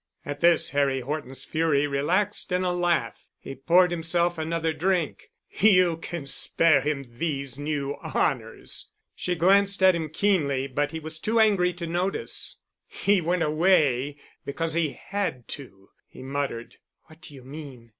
At this, Harry Horton's fury relaxed in a laugh. He poured himself out another drink. "You can spare him these new honors." She glanced at him keenly but he was too angry to notice. "He went—away—because he had to," he muttered. "What do you mean?"